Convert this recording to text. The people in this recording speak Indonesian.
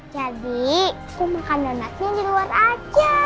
jadi aku makan donatnya di luar aja